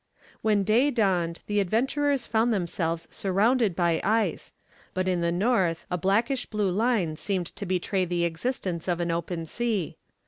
When day dawned the adventurers found themselves surrounded by ice, but in the north a blackish blue line seemed to betray the existence of an open sea.